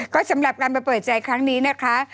ก็สำหรับการมาเปิดใจครั้งนี้นะคะ